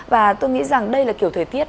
và tôi nghĩ rằng đây là kiểu thời tiết